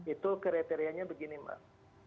itu kriterianya begini mbak